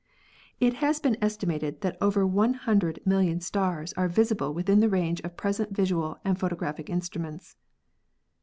It has been estimated that over 100,000,000 stars are visible within the range of present visual and photographic instruments.